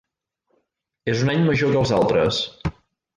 És un any major que els altres.